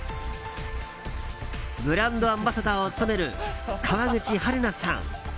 ブランドアンバサダーを務める川口春奈さん